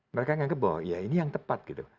mereka menganggap bahwa ya ini yang tepat gitu